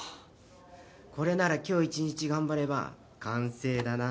これなら今日一日頑張れば完成だな。